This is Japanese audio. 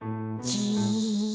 じ。